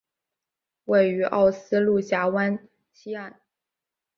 位于奥斯陆峡湾西岸。